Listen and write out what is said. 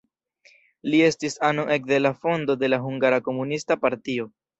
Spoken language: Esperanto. Li estis ano ekde la fondo de la Hungara Komunista partio.